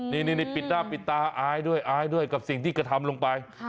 นี่ปิดหน้าปิดตาอายด้วยอายด้วยกับสิ่งที่กระทำลงไป